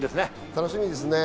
楽しみですね。